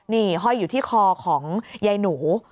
นี่ห้อยอยู่ที่คอของยายหนู